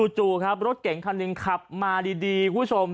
จู่ครับรถเก่งคันหนึ่งขับมาดีคุณผู้ชม